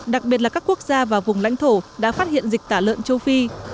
đặc biệt là các quốc gia và vùng lãnh thổ đã phát hiện dịch tả lợn châu phi